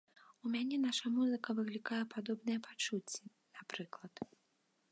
У мяне наша музыка выклікае падобныя пачуцці, напрыклад.